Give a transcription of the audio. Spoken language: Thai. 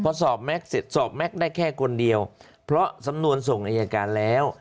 พอสอบแม็กซ์เสร็จสอบแม็กซ์ได้แค่คนเดียวเพราะสำนวนส่งอายการแล้ว